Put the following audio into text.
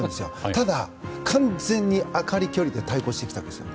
ただ、完全に朱理距離で対抗してきたんです。